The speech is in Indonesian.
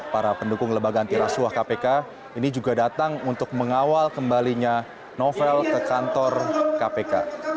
para pendukung lebaga anti rasuah kpk ini juga datang untuk mengawal kembalinya novel ke kantor kpk